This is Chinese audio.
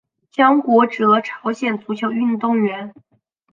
姜国哲朝鲜足球运动员。